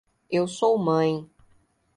Eu sou mãe.